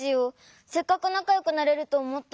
せっかくなかよくなれるとおもったのに。